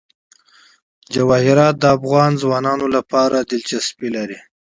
جواهرات د افغان ځوانانو لپاره دلچسپي لري.